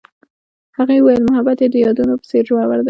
هغې وویل محبت یې د یادونه په څېر ژور دی.